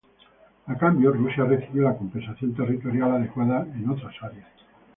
A cambio, Rusia recibió la compensación territorial adecuada en otras áreas.